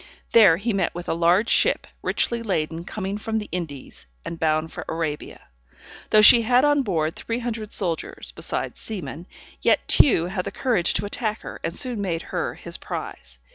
There he met with a large ship richly laden coming from the Indies, and bound for Arabia. Though she had on board three hundred soldiers, besides seamen, yet Tew had the courage to attack her, and soon made her his prize.